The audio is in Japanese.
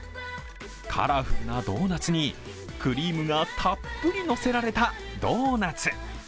カラフルなドーナツにクリームがたっぷりのせられたドーナツ。